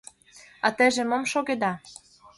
А теже мом шогеда?